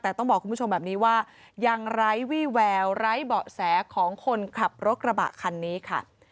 แต่ต้องบอกคุณผู้ชมแบบนี้ว่ายังไร้วี่แววไร้เบาะแสของคนขับรถกระบะคันนี้ค่ะ